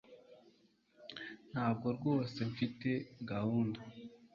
Ntabwo rwose mfite gahunda